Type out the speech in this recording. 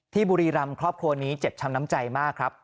บุรีรำครอบครัวนี้เจ็บช้ำน้ำใจมากครับ